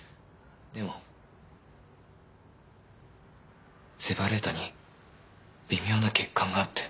でもセパレータに微妙な欠陥があって。